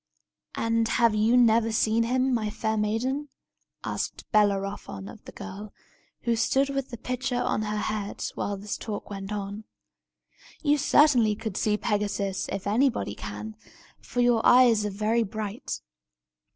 "And have you never seen him, my fair maiden?" asked Bellerophon of the girl, who stood with the pitcher on her head, while this talk went on. "You certainly could see Pegasus, if anybody can, for your eyes are very bright."